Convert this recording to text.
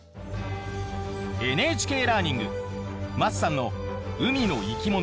ＮＨＫラーニング桝さんの海の生き物推し動画。